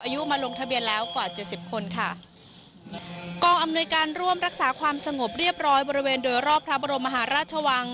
อายุมาลงทะเบียนแล้วกว่าเจ็ดสิบคนค่ะกองอำนวยการร่วมรักษาความสงบเรียบร้อยบริเวณโดยรอบพระบรมมหาราชวัง